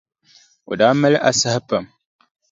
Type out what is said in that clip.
O daa mali asahi pam.